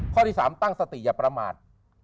ข้อที่๓ตั้งสติอย่าประมาท